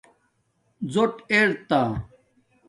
زݸٹ ارتا